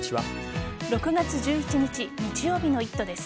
６月１１日日曜日の「イット！」です。